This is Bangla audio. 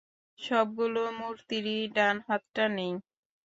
সবগুলো মূর্তিরই ডান হাতটা নেই।